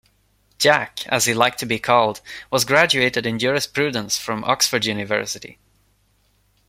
Jack, as he liked to be called, was graduated in jurisprudence from Oxford University.